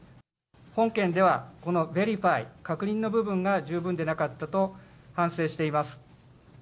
本件では、このベリファイ・確認の部分が、十分でなかったと反省しています。